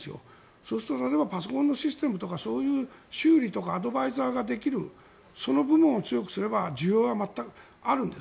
そうするとパソコンのシステムとかそういう修理とかアドバイザーができるその部門を強くすれば需要はまたあるんです。